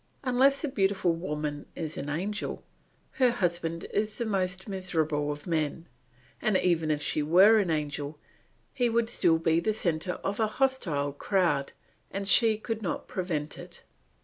Unless a beautiful woman is an angel, her husband is the most miserable of men; and even if she were an angel he would still be the centre of a hostile crowd and she could not prevent it.